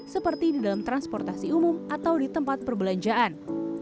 seperti di dalam transportasi umum atau di tempat perbelanjaan